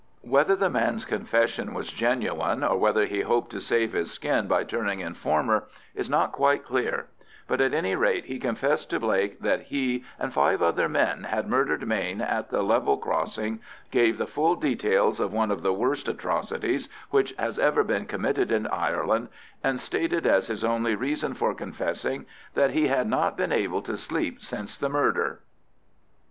Whether the man's confession was genuine, or whether he hoped to save his skin by turning informer is not quite clear; but at any rate he confessed to Blake that he and five other men had murdered Mayne at the level crossing, gave the full details of one of the worst atrocities which has ever been committed in Ireland, and stated as his only reason for confessing that he had not been able to sleep since the murder.